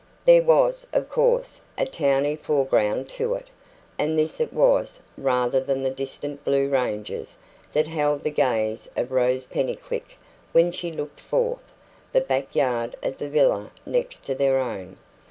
There was, of course, a towny foreground to it; and this it was, rather than the distant blue ranges, that held the gaze of Rose Pennycuick when she looked forth the back yard of the villa next to their own.